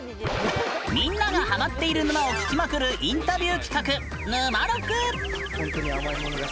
みんながハマっている沼を聞きまくるインタビュー企画「ぬまろく」。